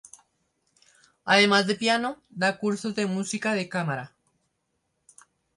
Además de piano, da cursos de música de cámara.